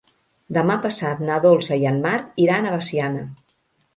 Demà passat na Dolça i en Marc iran a Veciana.